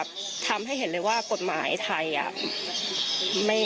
พี่น้องวาหรือว่าน้องวาหรือ